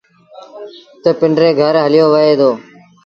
تا پنڊري گھر هليو وهي دو۔